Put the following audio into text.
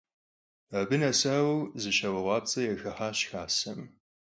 Abı nesaue, zı şaue khuapts'e yaxıhaş xasem.